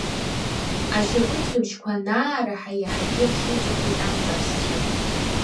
Ашьапышьҭыбжьқәа анаараҳа, иаҳагьы рҽырҵәахит амҵарсцәа.